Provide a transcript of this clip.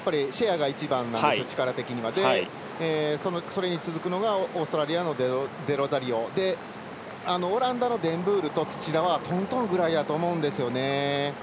この中ではシェアが一番なんですよ、力的にそれに続くのがオーストラリア、デロザリオでオランダのデンブールと土田はトントンぐらいだと思うんですよね。